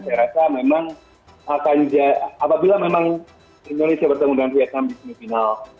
saya rasa memang akan apabila memang indonesia bertemu dengan vietnam di semifinal